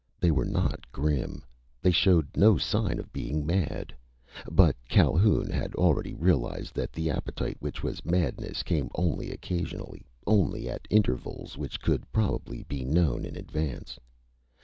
They were not grim. They showed no sign of being mad. But Calhoun had already realized that the appetite which was madness came only occasionally, only at intervals which could probably be known in advance.